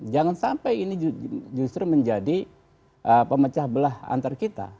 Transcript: jangan sampai ini justru menjadi pemecah belah antar kita